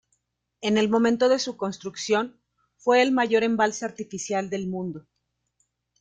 En el momento de sus construcción fue el mayor embalse artificial del mundo.